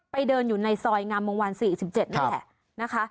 เดินอยู่ในซอยงามวงวาน๔๗นี่แหละนะคะ